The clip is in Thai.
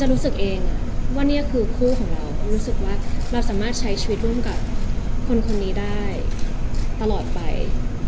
รู้สึกเองว่านี่คือคู่ของเรารู้สึกว่าเราสามารถใช้ชีวิตร่วมกับคนคนนี้ได้ตลอดไป